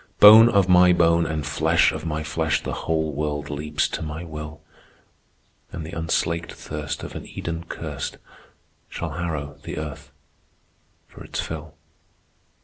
Bone of my bone and flesh of my flesh The whole world leaps to my will, And the unslaked thirst of an Eden cursed Shall harrow the earth for its fill.